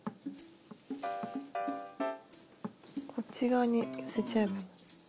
こっち側に寄せちゃえば。